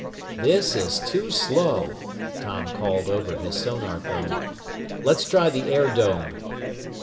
"This is too slow," Tom called over his sonarphone. "Let's try the air dome."